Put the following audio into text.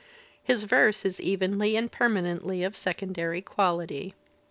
His verse is evenly and perma nently of secondary quality.